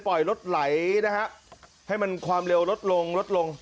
ปล่อยรถไหลนะครับให้มันความเร็วรถลงรถลง